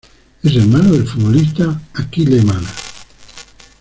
Es hermano del futbolista Achille Emana.